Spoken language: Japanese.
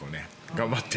頑張って。